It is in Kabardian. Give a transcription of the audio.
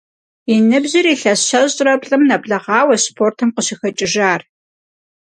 Yi nıbjır yilhes şeş're plh'ırem nebleğaueş sportım khışıxeç'ıjjar.